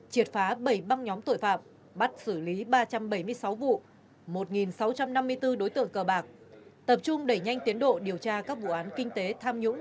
triệt phá bảy băng nhóm tội phạm bắt xử lý ba trăm bảy mươi sáu vụ một sáu trăm năm mươi bốn đối tượng cờ bạc tập trung đẩy nhanh tiến độ điều tra các vụ án kinh tế tham nhũng